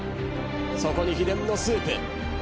そこに秘伝のスープ。